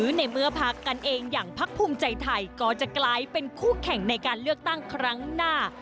ในเมื่อพักกันเองอย่างพักภูมิใจไทยก็จะกลายเป็นคู่แข่งในการเลือกตั้งครั้งหน้า